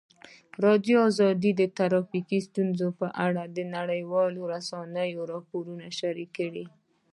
ازادي راډیو د ټرافیکي ستونزې په اړه د نړیوالو رسنیو راپورونه شریک کړي.